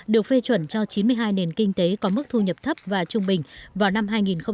được phê chuẩn cho chín mươi hai nền kinh tế có mức thu nhập thấp và trung bình vào năm hai nghìn hai mươi